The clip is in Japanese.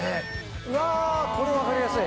うわこれ分かりやすい。